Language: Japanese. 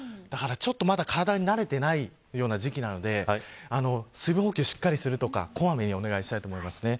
まだ体が慣れていないような時期なので水分補給をしっかりするとかこまめにお願いします。